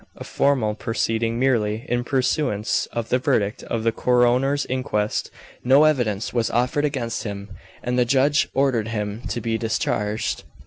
A formal proceeding merely, in pursuance of the verdict of the coroner's inquest. No evidence was offered against him, and the judge ordered him to be discharged.